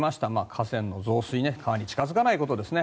河川の増水川に近付かないことですね。